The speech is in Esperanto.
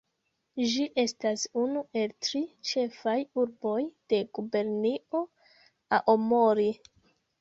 Ĝi estas unu el tri ĉefaj urboj de Gubernio Aomori.